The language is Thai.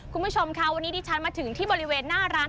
คุณผู้ชมค่ะวันนี้ดิฉันมาถึงที่บริเวณหน้าร้าน